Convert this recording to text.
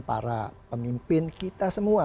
para pemimpin kita semua